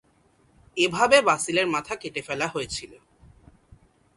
এভাবে বাসিলের মাথা কেটে ফেলা হয়েছিল।